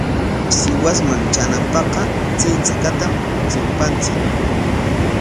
Sihuasman traanapaqqa chay chakatam chimpanchik.